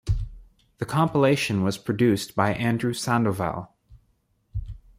The compilation was produced by Andrew Sandoval.